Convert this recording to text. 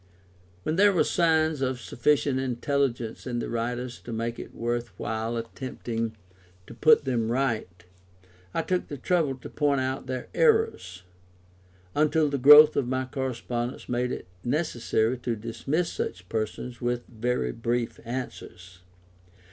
When there were signs of sufficient intelligence in the writers to make it worth while attempting to put them right, I took the trouble to point out their errors, until the growth of my correspondence made it necessary to dismiss such persons with very brief answers.